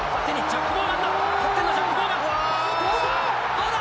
どうだ？